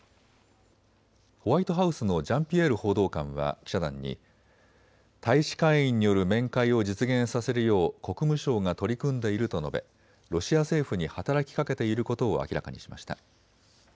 ホワイトハウスのジャンピエール報道官は記者団に大使館員による面会を実現させるよう国務省が取り組んでいると述べロシア政府に働きかけていることを明らかにしました。